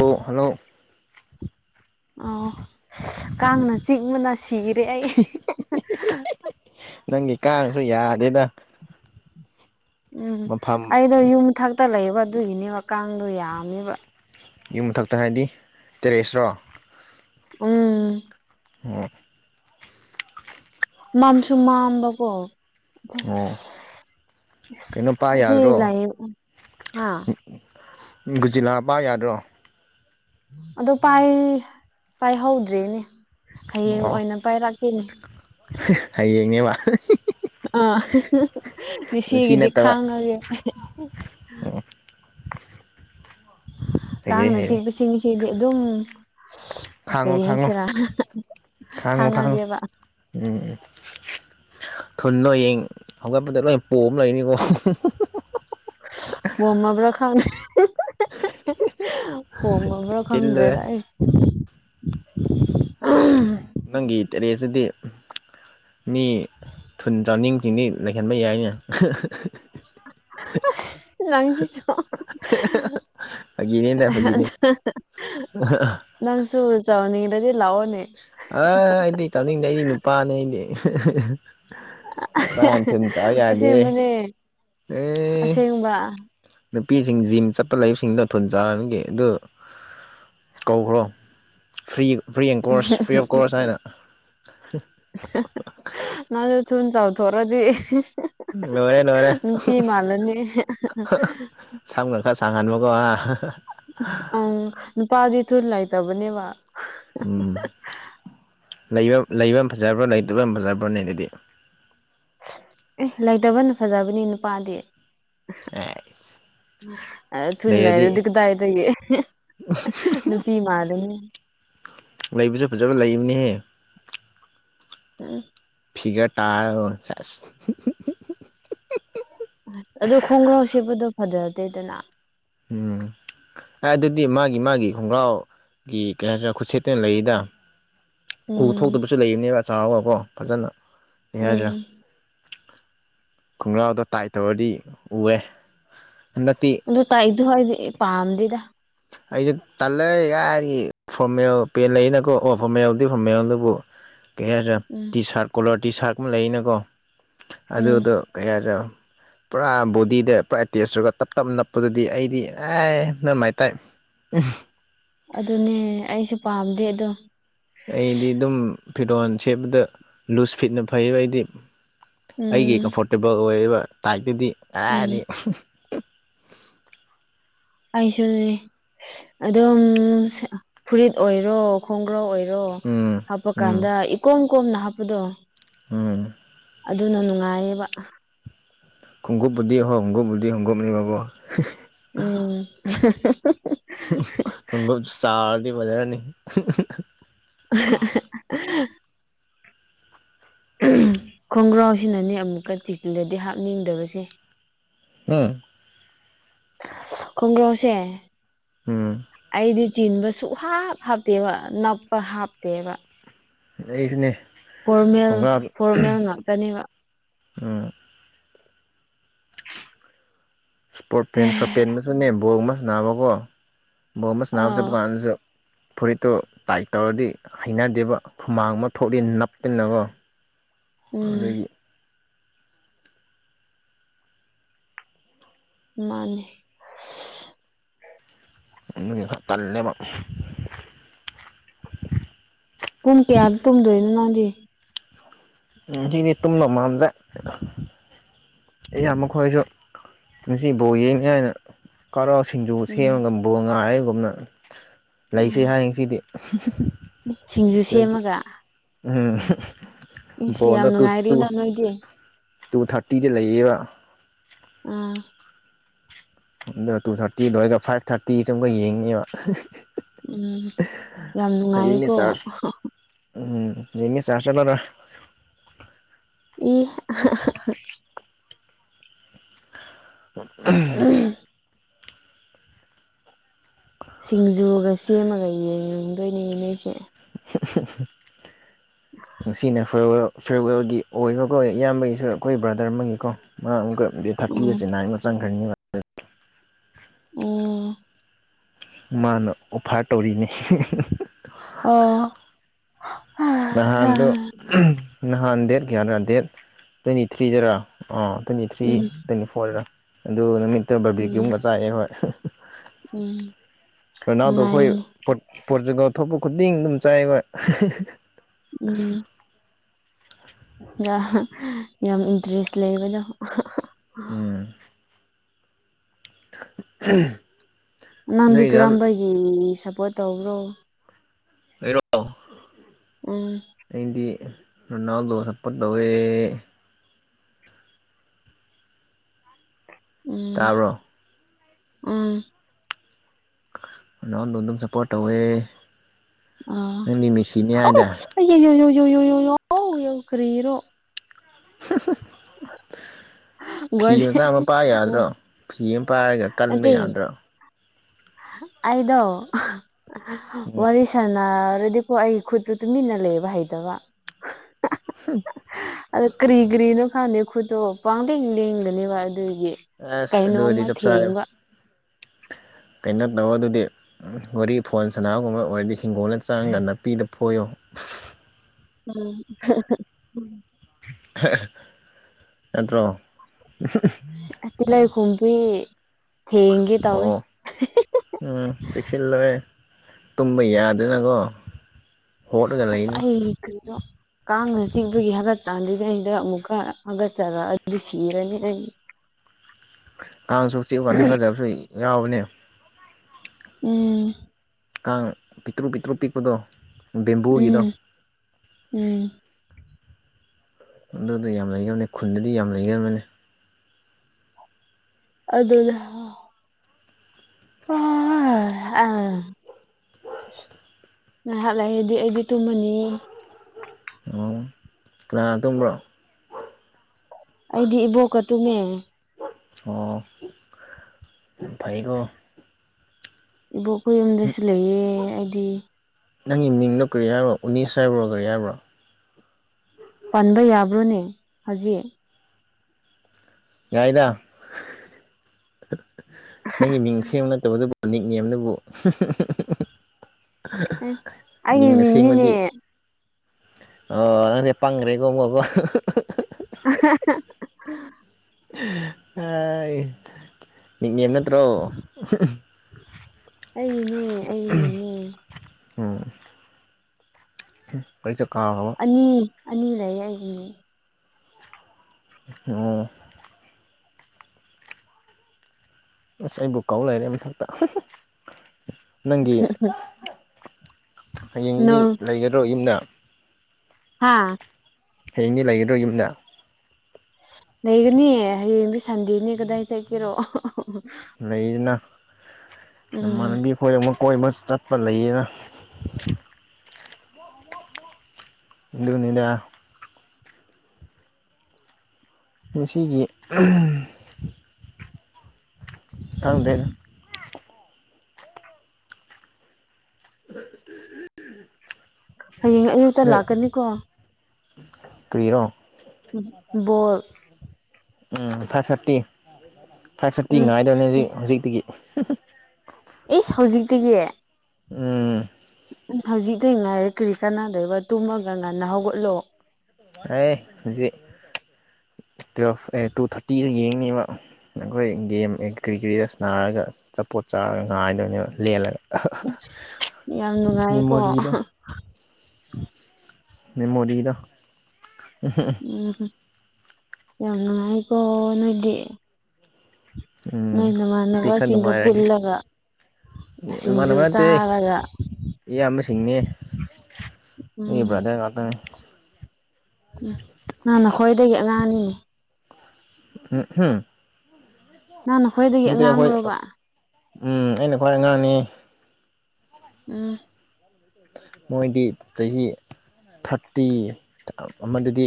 ꯍꯣ ꯍꯜꯂꯣ ꯑꯣ ꯀꯥꯡꯅ ꯆꯤꯛꯕꯅ ꯁꯤꯔꯦ ꯑꯩ꯫ ꯅꯪꯒꯤ ꯀꯥꯡꯁꯨ ꯌꯥꯗꯦꯗ꯫ ꯎꯝ ꯃꯐꯝ ꯑꯩꯗꯣ ꯌꯨꯝ ꯃꯊꯛꯇ ꯂꯩꯕ ꯑꯗꯨꯒꯤꯅꯦꯕ ꯀꯥꯡꯗꯣ ꯌꯥꯝꯃꯦꯕ꯫ ꯌꯨꯝ ꯃꯊꯛꯇ ꯍꯥꯏꯗꯤ ꯇꯦꯔꯦꯁꯔꯣ? ꯎꯝ ꯑꯣ ꯃꯝꯁꯨ ꯃꯝꯕꯀꯣ ꯑꯣ ꯀꯩꯅꯣ ꯄꯥ [unintelligible] ꯑꯁꯤ ꯂꯩꯌꯦ ꯍꯥ ꯒꯨꯨꯖꯤꯜꯂꯥ ꯄꯥꯏ ꯌꯥꯗ꯭ꯔꯣ ꯑꯗꯣ ꯄꯥꯏ ꯄꯥꯏꯍꯧꯗ꯭ꯔꯦꯅꯦ ꯍꯌꯦꯡ ꯑꯣ ꯑꯣꯏꯅ ꯄꯥꯏꯔꯛꯀꯦꯅꯦ ꯍꯌꯦꯡꯅꯦꯕ ꯑꯥ ꯁꯤ ꯉꯥꯁꯤꯒꯤꯗꯤ ꯅꯠꯇꯕ ꯈꯥꯡꯉꯒꯦ ꯍꯩꯔꯦ ꯀꯥꯡꯅ ꯍꯩꯔꯦ ꯆꯤꯛꯄꯁꯤꯗꯤ ꯁꯤꯗꯤ ꯑꯗꯨꯝ ꯈꯥꯡꯉꯣ ꯀꯔꯤ ꯈꯥꯡꯉꯣ ꯍꯥꯏꯁꯤꯔꯥ ꯈꯥꯡꯉꯣ ꯈꯥꯡꯉꯣ ꯈꯥꯡꯉꯒꯦꯕ ꯎꯝ ꯊꯨꯟꯗꯣ ꯍꯌꯦꯡ ꯍꯧꯒꯠꯄꯗ ꯂꯣꯏ ꯄꯣꯝ ꯂꯩꯅꯤꯀꯣ ꯄꯣꯝꯃꯥꯕ꯭ꯔꯥ ꯈꯪꯗꯦ ꯄꯣꯝꯃꯥꯕ꯭ꯔꯥ ꯆꯤꯜꯂꯦ ꯈꯪꯗ꯭ꯔꯦꯗ ꯑꯩ ꯅꯪꯒꯤ ꯏꯟꯇ꯭ꯔꯔꯦꯁꯇꯗꯤ ꯃꯤ ꯊꯨꯟ ꯆꯥꯎꯅꯤꯡꯕꯁꯤꯡꯗꯤ ꯂꯩꯍꯟꯕ ꯌꯥꯏꯅ ꯑꯁ ꯅꯪꯁꯤꯁꯨ ꯐꯥꯒꯤꯅꯦꯗ ꯐꯥꯒꯤꯅꯦ ꯅꯪꯁꯨ ꯆꯥꯎꯍꯟꯅꯤꯡꯔꯗꯤ ꯂꯥꯛꯑꯣꯅꯦ ꯑ ꯑꯩꯗꯤ ꯇꯧꯅꯤꯡꯗꯦ ꯑꯩꯗꯤ ꯅꯨꯄꯥꯅꯤ ꯑꯩꯗꯤ ꯅꯨꯄꯥꯅ ꯊꯨꯟ ꯆꯥꯎ ꯌꯗꯦꯍꯦ ꯑꯦ ꯁꯦꯡꯕ ꯅꯨꯄꯤꯁꯤꯡ ꯖꯤꯝ ꯆꯠꯄ ꯂꯩꯕꯁꯤꯡꯗꯣ ꯊꯨꯟ ꯆꯥꯎꯍꯥꯟꯕꯒꯤ ꯑꯗꯨ ꯀꯧꯈ꯭ꯔꯣ free free and course free of course ꯍꯥꯏꯅ ꯅꯪꯁꯨ ꯊꯨꯟ ꯆꯥꯎꯊꯣꯔꯥꯗꯤ ꯂꯣꯏꯔꯦ ꯂꯣꯏꯔꯦ ꯅꯨꯄꯤ ꯃꯥꯂꯅꯤ ꯁꯝꯒꯥ ꯈꯔ ꯁꯥꯡꯍꯟꯕꯀꯣ ꯑꯪ ꯅꯨꯄꯥꯗꯤ ꯊꯨꯟ ꯂꯩꯇꯕꯅꯦꯕ ꯎꯝ ꯂꯩꯕ ꯂꯩꯕꯅ ꯐꯖꯕ꯭ꯔꯣ ꯂꯩꯇꯕꯅ ꯐꯖꯕ꯭ꯔꯣꯅꯦ ꯑꯗꯨꯗꯤ ꯑꯦ ꯂꯩꯇꯕꯅ ꯐꯖꯕꯅꯤ ꯅꯨꯄꯥꯗꯤ ꯑꯦ ꯑ ꯊꯨꯟ ꯂꯩꯔꯗꯤ ꯀꯗꯥꯏꯗꯒꯤ [unintelligible] ꯅꯨꯄꯤ ꯃꯜꯂꯥꯅꯤ ꯂꯩꯕꯁꯨ ꯐꯖꯕ ꯂꯩꯕꯅꯦꯍꯦ ꯎꯝ ꯐꯤꯒꯔ ꯇꯥꯔꯒꯥ ꯀꯣ ꯁꯦꯁ ꯑꯗꯨ ꯈꯣꯡꯒ꯭ꯔꯥꯎ ꯁꯦꯠꯄꯗꯣ ꯐꯖꯗꯦꯗꯅ ꯎꯝ ꯑꯗꯨꯗꯤ ꯃꯥꯒꯤ ꯃꯥꯒꯤ ꯈꯣꯡꯒ꯭ꯔꯥꯎ ꯒꯤ ꯀꯔꯤ ꯍꯥꯏꯁꯤꯔꯥ ꯈꯨꯠꯁꯦꯠꯇ ꯂꯩꯌꯦꯗ ꯎ ꯎꯝ ꯊꯣꯛꯇꯕꯁꯨ ꯂꯩꯕꯅꯦꯕ ꯆꯥꯎꯔꯒꯥꯀꯣ ꯐꯖꯅ ꯀꯩ ꯎꯝ ꯍꯥꯏꯁꯤꯔꯥ ꯈꯣꯡꯒ꯭ꯔꯥꯎꯗꯣ ꯇꯥꯏꯠ ꯇꯧꯔꯗꯤ ꯎꯑꯦ ꯍꯟꯗꯛꯇꯤ ꯑꯗꯣ ꯇꯥꯏꯇꯗꯨ ꯍꯥꯏꯗꯤ ꯄꯥꯝꯗꯦꯗꯥ ꯑꯩꯁꯨ ꯇꯜꯂꯦ ꯀꯥꯏꯗꯒꯤ ꯐꯣꯔꯃꯦꯜ ꯄꯦꯟ ꯂꯩꯅꯀꯣ ꯑꯣ ꯐꯣꯔꯃꯦꯜꯗꯤ ꯐꯣꯔꯃꯦꯜ ꯑꯗꯨꯕꯨ ꯀꯩ ꯍꯥꯏꯁꯤꯔꯥ ꯎꯝ T shirt colour T shirt ꯀꯨꯝꯕꯥ ꯂꯩꯌꯦꯅꯀꯣ ꯎꯝ ꯑꯗꯨꯗꯣ ꯀꯩ ꯍꯥꯏꯁꯤꯔꯣ ꯄꯨꯔꯥ ꯕꯣꯗꯤꯗ ꯄꯨꯔꯥ ꯑꯦꯇꯦꯁ ꯇꯧꯔꯒ ꯇꯞ ꯇꯞ ꯅꯞꯄꯗꯨꯗꯤ ꯑꯩꯗꯤ ꯑꯦ ꯅꯃꯥꯏ ꯇꯥꯏ ꯎꯝ ꯑꯗꯨꯅꯦ ꯑꯩꯁꯨ ꯄꯥꯝꯗꯦ ꯑꯗꯣ ꯑꯩꯗꯤ ꯑꯗꯨꯝ ꯐꯤꯔꯣꯟ ꯁꯦꯠꯄꯗ ꯂꯨꯁ ꯐꯤꯠꯅ ꯐꯩꯌꯦꯕ ꯑꯩꯗꯤ ꯑꯩꯒꯤ ꯎꯝ ꯀꯝꯐꯣꯔꯇꯦꯕꯜ ꯑꯣꯏꯕ ꯇꯥꯏꯞꯇꯨꯗꯤ ꯎꯝ ꯀꯥꯏꯗꯩ ꯑꯩꯁꯨꯅꯦ ꯑꯗꯨꯝ ꯐꯨꯔꯤꯠ ꯑꯣꯏꯔꯣ ꯈꯣꯡꯒ꯭ꯔꯎ ꯑꯣꯏꯔꯣ ꯎꯝ ꯍꯥꯞꯄ ꯎꯝ ꯀꯥꯟꯗ ꯏꯀꯣꯝ ꯀꯣꯝꯅ ꯍꯥꯞꯄꯗꯣ ꯎꯝ ꯑꯗꯨꯅ ꯅꯨꯡꯉꯥꯏꯌꯦꯕ ꯈꯨꯉꯨꯞꯄꯨꯗꯤ ꯍꯣ ꯍꯪꯀꯞ ꯨꯗꯤ ꯍꯪꯀꯞ ꯃꯅꯤꯕꯣ ꯎꯝ ꯈꯨꯡꯎꯞ ꯆꯥꯎꯥꯔꯗꯤ ꯐꯖꯔꯅꯤ [unintelligible] [unintelligible] ꯈꯣꯡꯒ꯭ꯔꯥꯎꯁꯤꯅꯅꯦ ꯑꯃꯨꯛꯀ ꯆꯤꯛꯂꯗꯤ ꯍꯥꯞꯅꯤꯡꯗꯕꯁꯦ ꯑꯥ ꯈꯣꯡꯒ꯭ꯔꯥꯎꯁꯦ ꯎꯝ ꯑꯩꯗꯤ ꯆꯤꯟꯕ ꯁꯨꯛ ꯍꯥꯞ ꯍꯥꯞꯇꯦꯕ ꯅꯛꯄ ꯍꯥꯞꯇꯦꯕ ꯑꯩꯖꯨꯅꯦ ꯐꯣꯔꯃꯦꯜ ꯐꯣꯔꯃꯦꯜ ꯉꯥꯛꯇꯅꯦꯕ ꯎꯝ ꯏꯁꯄꯣꯔꯠ ꯄꯦꯟ ꯁꯣꯔꯠ ꯄꯦꯟ ꯁꯨꯅꯦ ꯕꯣꯜ ꯒꯨꯝꯕ ꯁꯅꯕꯀꯣ ꯕꯣꯜ ꯒꯨꯝꯕꯥ ꯁꯟꯅꯥꯕ ꯑꯥ ꯆꯠꯄ ꯀꯥꯟꯗꯁꯨ ꯐꯨꯔꯤꯠꯇꯣ ꯇꯥꯏꯠ ꯇꯧꯔꯗꯤ ꯍꯩꯅꯗꯦꯕ ꯍꯨꯃꯥꯡ ꯑꯃ ꯊꯣꯛꯂꯤ ꯅꯞꯄꯤꯅꯀꯣ [inaudible] ꯎꯝ ꯃꯥꯟꯅꯦ ꯑꯗꯨꯒꯤ ꯇꯜꯂꯦꯕ ꯄꯨꯡ ꯀꯌꯥꯗ ꯇꯨꯝꯗꯣꯏꯅꯣ ꯅꯪꯗꯤ ꯑꯩꯗꯤꯅꯦ ꯇꯨꯝꯗꯧ ꯃꯟꯗꯔ꯭ꯦ ꯑꯩꯌꯥ ꯃꯈꯣꯏꯁꯨ ꯉꯁꯤ ꯕꯣꯜ ꯌꯦꯡꯅꯤ ꯍꯥꯏꯅ ꯈꯔꯥ ꯁꯤꯡꯖꯨ ꯎꯝ ꯁꯦꯝꯃꯥꯒ ꯕꯣꯜ ꯉꯥꯏꯔꯒꯨꯝꯅ ꯂꯩꯁꯦ ꯎꯝ ꯍꯥꯏꯌꯦ ꯉꯥꯁꯤꯗꯤ [unintelligible] ꯍꯨꯝ ꯍꯨꯝ ꯁꯤꯡꯖꯨ ꯁꯦꯝꯃꯥꯒ ꯎꯝ ꯏꯁꯤ ꯌꯥꯝ ꯕꯣꯜꯗꯣ ꯇꯨ ꯇꯨ ꯅꯨꯡꯉꯥꯏꯔꯤꯅ ꯅꯣꯏꯗꯤ ꯇꯨ ꯊꯥꯔꯇꯤꯗ ꯂꯩꯌꯦꯕ ꯎꯝ ꯑꯗꯨ ꯇꯨ ꯊꯥꯔꯇꯤ ꯂꯣꯏꯔꯒ ꯐꯥꯏꯚ ꯊꯥꯔꯇꯤ ꯁꯨꯝꯒ ꯌꯦꯡꯅꯤꯕ ꯎꯝ ꯌꯥꯝ ꯍꯌꯦꯡꯅꯦ ꯅꯨꯡꯉꯥꯏꯌꯦꯀꯣ ꯆꯥꯔꯖ ꯎꯝ ꯌꯦꯡꯉꯦ ꯆꯔ ꯆꯠꯂꯣꯅ ꯏ ꯎꯝ ꯍꯨꯝ ꯁꯤꯡꯖꯨꯒ ꯁꯦꯝꯃꯒ ꯌꯦꯡ ꯉꯝꯗꯣꯏꯅꯤꯅꯦ ꯅꯣꯏꯁꯦ [unintelligible] ꯉꯁꯤꯅ ꯐꯤꯔꯋꯦꯜ ꯐꯦꯔꯋꯦꯜꯒꯤ ꯑꯣꯏꯕꯀꯣ ꯏꯌꯥꯝꯕꯒꯤꯁꯨ ꯑꯩꯈꯣꯏ ꯕ꯭ꯔꯗꯔ ꯑꯃꯒꯤꯀꯣ ꯃꯥ ꯑꯃꯨꯛꯀ ꯗꯦꯠ ꯊꯥꯔꯇꯤꯗ ꯎꯝ ꯆꯤꯟꯅꯥꯏ ꯑꯃ ꯆꯪꯈꯔꯅꯤꯕꯥ ꯎꯝ ꯃꯥꯅ ꯑꯣꯐꯥꯔ ꯇꯧꯔꯤꯅꯤ [unintelligible] ꯑꯣ ꯅꯍꯥꯟꯗꯣ ꯑꯣ ꯅꯍꯥꯟ ꯗꯦꯠ ꯀꯌꯥꯔꯥ ꯗꯦꯠ ꯇ꯭ꯋꯦꯟꯇꯤ ꯊ꯭ꯔꯤꯗꯔꯥ ꯑꯣ ꯇ꯭ꯋꯦꯟꯇꯤ ꯊ꯭ꯔꯤ ꯎꯝ ꯇ꯭ꯋꯦꯟꯇꯤ ꯐꯣꯔꯗ ꯑꯗꯨ ꯅꯨꯃꯤꯠꯇꯨ ꯎꯝ ꯕꯔꯕꯤꯀꯤꯌꯨ꯭ꯃꯥ ꯆꯥꯛꯑꯦ ꯑꯈꫭꯏ ꯎꯝ ꯔꯅꯥꯎꯗꯣ ꯈꯣꯏ ꯅꯨꯡꯉꯥꯏꯅꯦ ꯄꯣꯠ ꯄꫭꯔꯇꯨꯒꯜ ꯊꯣꯛꯄ ꯈꯨꯗꯤꯡ ꯑꯗꯨꯝ ꯆꯥꯏ ꯑꯈꫭꯏ ꯎꯝ ꯌꯥ ꯌꯥꯝ ꯏꯟꯇꯔꯦꯁ ꯂꯩꯕꯗꯣ ꯎꯝ ꯎ [unintelligible] ꯅꯪꯗꯤ ꯀꯔꯝꯕꯒꯤ ꯃꯤ ꯁꯞꯄꯣꯔꯠ ꯇꯧꯕ꯭ꯔꯣ ꯑꯩꯔꫭ ꯎꯝ ꯑꯩꯗꯤ ꯔꯅꯥꯜꯗꯣ ꯁꯄꫭꯠ ꯇꯧꯋꯦ ꯎꯝ ꯇꯥꯕ꯭ꯔꯣ ꯎꯝ ꯔꫭꯅꯥꯜꯗꯣ ꯑꯗꯨꯝ ꯁꯞꯄꯣꯔꯠ ꯇꯧꯋꯦ ꯑꯥ ꯅꯪꯗꯤ ꯃꯤꯁꯤꯅꯤ ꯑꯧ ꯍꯥꯏꯗ ꯑꯩ ꯌꯦ ꯌꯨ ꯌꯨ ꯌꯨ ꯌꯨ ꯌꯨ ꯌꯎ ꯌꯧ ꯀꯔꯤꯔꯣ [unintelligible] ꯐꯤ ꯋꯥꯔꯤ ꯃꯆꯥ ꯑꯃ ꯄꯥꯏ ꯌꯥꯗ꯭ꯔꯣ ꯐꯤ ꯑꯃ ꯄꯥꯏꯔꯒ ꯀꯟꯕꯥ ꯌꯥꯗ꯭ꯔꯣ ꯑꯗꯣ ꯋꯥꯔꯤꯁꯥꯅ ꯅꯥꯔꯗꯤꯀꯣ ꯑꯩ ꯈꯨꯠꯇꯨ ꯇꯨꯃꯤꯟꯅꯥ ꯂꯩꯕ ꯍꯩꯇꯕ ꯍꯨꯝ ꯑꯗꯨ ꯀꯔꯤ ꯀꯔꯤꯅꯣ ꯈꯪꯗꯦ ꯈꯨꯠꯇꯣ ꯄꯥꯡꯂꯦꯡ ꯂꯦꯡꯒꯅꯦꯕ ꯑꯗꯨꯒꯤ ꯑꯁ ꯑꯗꯨ ꯀꯩꯅꯣꯝꯃ ꯑꯣꯏꯔꯗꯤ ꯆꯞ ꯆꯥꯔꯦ ꯊꯦꯡꯕ ꯀꯩꯅꯣ ꯇꯧ ꯑꯗꯨꯗꯤ ꯋꯥꯔꯤ ꯐꯣꯟ ꯁꯅꯥꯕꯒꯨꯝꯕ ꯑꯣꯏꯔꯗꯤ ꯍꯤꯡꯒꯣꯜꯗꯥ ꯆꯪꯉꯥꯒ ꯅꯥꯄꯤꯗꯨ ꯐꯣꯏꯌꯣ ꯎꯝꯝ [unintelligible] ꯅꯠꯇ꯭ꯔꯣ ꯑꯁ ꯇꯤꯂꯥꯏ ꯈꯨꯝꯕꯤ ꯊꯦꯡꯒꯦ ꯇꯧꯋꯦ ꯑꯣ ꯎꯝ ꯆꯦꯛꯁꯤꯜꯂꯣꯍ‌ꯦ ꯇꯨꯝꯕ ꯌꯥꯗꯅꯀꯣ ꯍꯣꯠꯂꯒ ꯑꯁ ꯂꯩꯅꯤ ꯑꯩ ꯇꯜꯂꯤꯆꫭ ꯀꯥꯡꯅ ꯆꯤꯛꯄꯒꯤ ꯍꯥꯒꯠꯆꯥꯔꯉꯩꯁꯤꯗ ꯑꯃꯨꯛꯀ ꯍꯥꯒꯠꯆꯔꯛꯑꯗꯤ ꯁꯤꯔꯅꯤ ꯑꯩ ꯀꯥꯡꯁꯨ ꯆꯤꯛꯑꯀꯥꯟꯗ ꯍꯥꯒꯠꯆꯕꯁꯨ ꯌꯥꯎꯕꯅꯦ ꯎꯝ ꯀꯥꯡ ꯄꯤꯇ꯭ꯔꯨ ꯄꯤꯇ꯭ꯔꯨꯄꯤꯛꯄꯗꯣ ꯚꯦꯝꯕꯨꯨꯒꯤꯗꯣ ꯎꯝ ꯎꯝ ꯑꯗꯨꯗꯥ ꯌꯥꯝ ꯂꯩꯒꯜꯕꯅ‌ꯦ ꯈꯨꯟꯗꯗꯤ ꯌꯥꯝ ꯂꯩꯒꯟꯕꯅ‌ꯦ ꯑꯗꯨꯅ ꯑꯣ [unintelligible] ꯑꯥ ꯉꯥꯏꯍꯥꯛ ꯂꯩꯔꯗꯤ ꯑꯩꯗꯤ ꯇꯨꯝꯃꯅꯤ ꯑꯣ ꯀꯥꯟꯅ ꯀꯟꯅꯥ ꯇꯨꯝꯕ꯭ꯔꯣ ꯑꯩꯗꯤ ꯏꯕꯣꯛꯀꯇꯨꯝꯃꯦ ꯑꯣ ꯐꯩꯀꫭ ꯏꯕꯣꯛ ꯈꫭꯏ ꯌꯨꯝꯗꯁꯨ ꯂꯩꯌꯦ ꯑꯩꯗꯤ ꯅꯪꯒꯤ ꯃꯤꯡꯗꯣ ꯀꯔꯤ ꯍꯥꯏꯕ꯭ꯔꯣ ꯎꯅꯤꯁ ꯍꯥꯏꯕ꯭ꯔꯣ ꯀꯔꯤ ꯍꯥꯏꯕ꯭ꯔꯣ ꯄꯟꯕ ꯌꯥꯕ꯭ꯔꯣꯅꯦ ꯍꯧꯖꯤꯛ ꯌꯥꯏꯗ ꯅꯪꯒꯤ ꯃꯤꯡ ꯁꯦꯝꯕ ꯅꯠꯇꯕꯗꯨ ꯃꯅꯤꯛ ꯅꯦꯝꯗꯨꯕꯨ ꯑꯦ ꯑꯩꯒꯤ ꯃꯤꯡ ꯃꯤꯡꯅꯤꯅꯦ ꯑꯁꯦꯡꯕꯗꯤ ꯑꯣ ꯅꯪꯁꯦ ꯄꯪꯈ꯭ꯔꯦꯒꯣꯒꯣꯀꯣ [unintelligible] [unintelligible] ꯅꯤꯛ ꯅ‌ꯦꯝ ꯅꯠꯇ꯭ꯔꯣ ꯑꯩꯒꯤꯅꯦ ꯑꯩꯒꯤ ꯃꯤꯡꯅꯦ ꯎꯝ ꯑꯩꯔꯤ ꯀꯥꯎꯔꯕ ꯑꯅꯤ ꯑꯅꯤ ꯂꯩ ꯑꯩꯒꯤꯅꯦ ꯑꯣ ꯑꯁ ꯑꯩꯕꯨ ꯀꯥꯎ ꯂꯩꯔꯦ ꯃꯊꯛꯇ ꯅꯪꯒꯤ ꯍꯌꯦꯡ ꯏꯗꯤ ꯅꯣꯔ ꯂꯩꯒꯗ꯭ꯔꯣ ꯌꯨꯝꯅ ꯍꯥꯥ ꯍꯌꯦꯡꯗꯤ ꯂꯩꯒꯗꯔꫭ ꯌꯨꯝꯗ ꯂꯩꯒꯅꯤ ꯍꯌꯦꯡꯕꯤ ꯁꯟꯗꯦꯅꯦ ꯀꯗꯥꯏ ꯆꯠꯀꯦꯔꯣ ꯂꯩꯗꯅ ꯎꯝ ꯅꯃꯟꯅꯕꯤ ꯑꯩꯈꯣꯑꯃꯨꯛ ꯀꯣꯏꯕ ꯆꯠꯄ ꯂꯩꯌꯦꯅ ꯑꯗꯨꯅꯤꯗ ꯉꯥꯁꯤꯒꯤ ꯈꯪꯗ꯭ꫪ‌ꯦꯗ [unintelligible] ꯍꯌꯦꯡ ꯑꯌꯨꯛꯇ ꯂꯥꯛꯀꯅꯤꯀꯣ ꯀ꯭ꯔꯤꯔ‌ꯣ ꯕꫭꯜ ꯎꯝ ꯐꯥꯏꯚ ꯊꯥꯔꯇꯤ ꯐꯥꯏꯚ ꯊꯥꯔꯇꯤ ꯎꯝ ꯉꯥꯏꯗꯕꯅꯦ ꯍꯧꯖꯤꯛ ꯍꯧꯖꯤꯛꯇꯤꯒꯤ ꯏꯁ ꯍꯧꯖꯤꯛꯇꯤꯒꯤ ꯎꯝ ꯍꯧꯖꯤꯛꯇꯩ ꯉꯥꯏꯔ ꯀ꯭ꯔꯤ ꯀꯅꯥꯅꯗꫭꯏꯕ ꯇꯨꯝꯃꯒ ꯉꯟꯅ ꯍꯧꯒꯠꯂꯣ ꯑꯦ ꯍꯧꯖꯤꯛ ꯇꯨꯌꯦꯞ ꯇꯨ ꯊꯥꯔꯇꯤꯗ ꯌꯦꯡꯅꯦꯕ ꯑꯩꯈꯣꯏ ꯒꯦꯝ ꯑꯦ ꯀꯔꯤ ꯀꯔꯤꫪ ꯅꯥꯟꯅꫪꯒ ꯑꯆꯥꯄꯣꯠ ꯆꯥꯔꯒ ꯉꯥꯏꯗꯣꯏꯅꯦꯕ ꯂꯦꯜꯂꯒ ꯏꯁ ꯌꯥꯝ ꯅꯨꯡꯉꯥꯏꯀꯣ ꯃꯦꯃꯣꯔꯤꯗꫭ ꯃꯦꯃꯣꯔꯤꯗꫭ ꯎꯝ ꯌꯥꯝꯅꯨꯉꯥꯏꯀꯣ ꯅꫭꯏꯗꯤ ꯎꯝ ꯈꯔ ꯅꯃꯥꯟꯅꯕꯁꯤꯡꯒ ꯅꯨꯡꯉꯥꯏꯔꯒꯦ ꯄꯨꯜꯂꯒ ꯁꯤꯡꯖꯨ ꯏꯃꯥꯟꯅꯕ ꯅꯠꯇꯦ ꯆꯥꯔꯒ ꯏꯌꯥꯝꯕꯁꯤꯡꯅꯦ ꯑꯩ ꯎꯝ ꯕ꯭ꯔꯗꯔ ꯉꯥꯛꯇꯅꯤ ꯅꯪꯅ ꯈꯋꯥꯏꯗꯒꯤ ꯑꯉꯥꯡꯅꯤ ꯍꯝ ꯅꯪꯅ ꯈ꯭ꯋꯥꯏꯗꯒꯤ ꯅꯇꯦ ꯑꯩꯈꯣꯏ ꯑꯉꯥꯡꯔꯣꯕ ꯎꯝ ꯑꯩꯅ ꯈ꯭ꯋꯥꯏ ꯑꯉꯥꯡꯅꯤ ꯎꯝ ꯃꯣꯏꯗꯤ ꯆꯍꯤ ꯊꯥꯔꯇꯤ ꯑꯃꯗꯗꯤ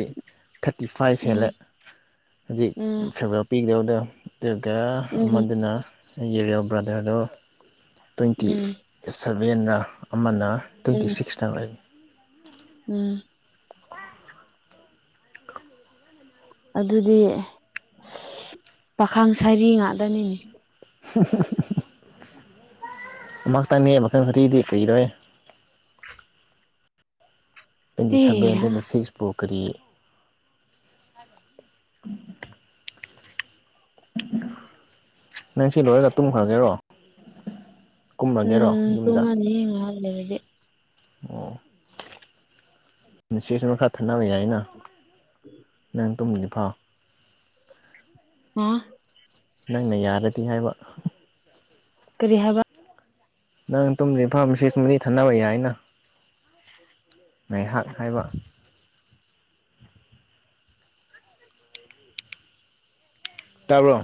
ꯊꯥꯔꯇꯤ ꯐꯥꯏꯚ ꯎꯝ ꯍꯦꯜꯂꯦ ꯍꯧꯖꯤꯛ ꯎꯝ ꯐꯦꯔꯋ‌ꯦꯜ ꯄꯤꯗꯧꯗꫭ ꯑꯗꯨꯒ ꯎꯝ ꯑꯃꯗꯨꯅ ꯑꯩꯒꯤ ꯔ‌ꯦꯜ ꯕ꯭ꯔꯥꯗꯔꯗꯣ ꯇ꯭ꯋꯦꯟꯇꯤ ꯎꯝ ꯁꯚꯦꯟꯅ ꯑꯃꯅ ꯇ꯭ꯋꯦꯟꯇꯤ ꯎꯝ ꯁꯤꯛꯁꯂ ꯑꫭꯏꯕꯅꯤ ꯎꯝ ꯑꯗꯨꯗꯤ ꯄꯥꯈꯥꯡ ꯁꯔꯤ ꯉꯥꯇꯅꯤꯅ‌ꯦ [unintelligible] ꯑꯃꯈꯇꯪꯅꯦ ꯃꯈꯜ ꯃꯔꯤꯗꯤ ꯀꯔꯤꯔꯣꯍꯦ ꯇꯣꯏꯟꯇꯤ ꯑꯦ ꯁꯕꯦꯟ ꯇꯣꯏꯟꯇꯤ ꯁꯤꯛꯁꯄꯨ ꯀꯔꯤ [unintelligible] ꯅꯪꯁꯤ ꯂꯣꯏꯔꯒ ꯇꯨꯝꯈ꯭ꯔꯒꯦꯔꯣ ꯀꯨꯝꯔꯒꯦꯔꯣ ꯌꯨꯝꯗ [unintelligible] ꯉꯍꯥꯛ ꯂꯩꯔꯗꯤ ꯑꯣ ꯃꯦꯁꯦꯁ ꯈꯔ ꯊꯥꯅꯕ ꯌꯥꯏꯅ ꯅꯪ ꯇꯨꯝꯗꯤ ꯐꯥꯎ [unintelligible] ꯅꯪꯅ ꯌꯥꯔꯗꯤ ꯍꯥꯏꯕ ꯀꯔꯤ ꯍꯥꯏꯕ ꯅꯪ ꯇꯨꯝꯗꯔ꯭ꯤ ꯐꯥꯎ ꯃꯦꯁꯦꯁꯀꯨꯝꯕꯗꯤ ꯊꯥꯅꯕ ꯌꯥꯏꯅ ꯉꯥꯏꯍꯥꯛ ꯍꯥꯏꯕ ꯇꯥꯕꯔꯣ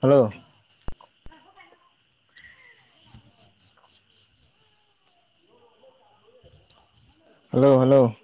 ꯍꯜꯂꯣ ꯍꯜꯂꯣ ꯍꯜꯂꯣ